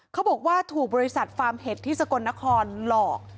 เขาบอกว่าถูกบริษัทฟาร์มเห็ดที่สกลนครหลอก